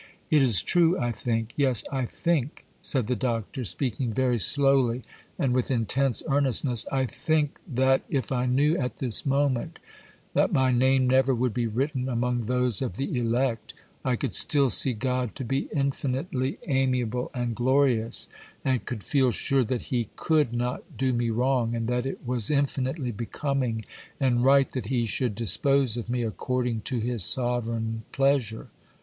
It is true, I think,—yes, I think,' said the Doctor, speaking very slowly and with intense earnestness,—'I think, that, if I knew at this moment that my name never would be written among those of the elect, I could still see God to be infinitely amiable and glorious, and could feel sure that He could not do me wrong, and that it was infinitely becoming and right that He should dispose of me according to His sovereign pleasure.